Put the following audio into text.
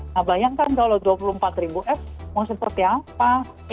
nah bayangkan kalau dua puluh empat ribu f mau seperti apa